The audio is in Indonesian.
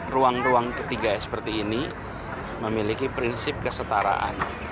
ruang ruang ketiga seperti ini memiliki prinsip kesetaraan